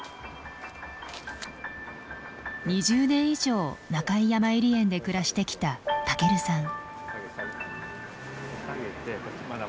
２０年以上中井やまゆり園で暮らしてきたたけるさん。